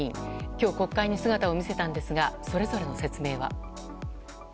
今日、国会に姿を見せたんですがそれぞれの説明は。